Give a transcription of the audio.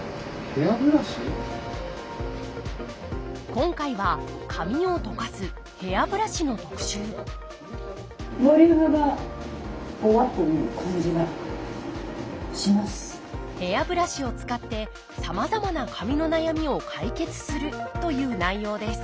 今回は髪をとかす「ヘアブラシ」の特集ヘアブラシを使ってさまざまな髪の悩みを解決するという内容です